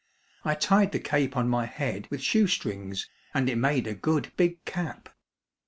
I tied the cape on my head with shoestrings and it made a good big cap.